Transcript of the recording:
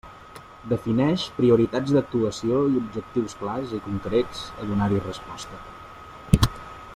Defineix prioritats d'actuació i objectius clars i concrets a donar-hi resposta.